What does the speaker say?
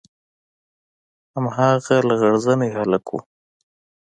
هماغه لغړ زنى هلک و.